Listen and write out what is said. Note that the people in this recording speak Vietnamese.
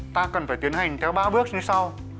ta cần phải tiến hành theo ba bước như sau